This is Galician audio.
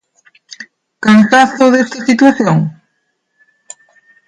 ¿Cansazo desta situación?